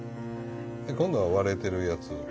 今度は割れてるやつ。